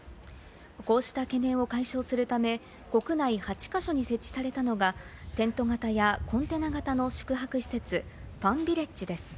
こうした懸念を解消するため国内８か所に設置されたのが、テント型やコンテナ型の宿泊施設・ファンビレッジです。